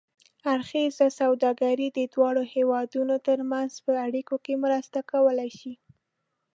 اړخیزه سوداګري د دواړو هېوادونو ترمنځ په اړیکو کې مرسته کولای شي.